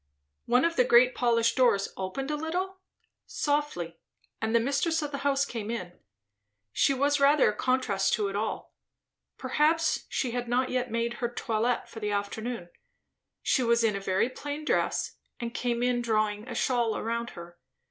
One of the great polished doors opened a little? softly, and the mistress of the house came in. She was rather a contrast to it all. Perhaps she had not yet made her toilette for the afternoon; she was in a very plain dress, and came in drawing a shawl around her.